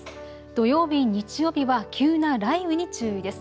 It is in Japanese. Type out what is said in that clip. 土曜日、日曜日は急な雷雨に注意です。